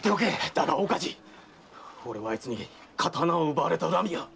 だが俺はあいつに刀を奪われた恨みが！